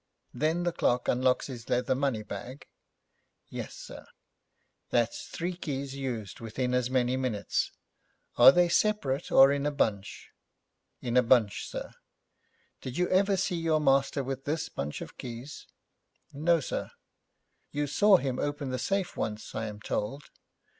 'Then the clerk unlocks his leather money bag?' 'Yes, sir.' 'That's three keys used within as many minutes. Are they separate or in a bunch?' 'In a bunch, sir.' 'Did you ever see your master with this bunch of keys?' 'No, sir.' 'You saw him open the safe once, I am told?'